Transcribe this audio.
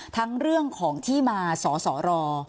ทั้งเรื่องของที่มาสอสอรอ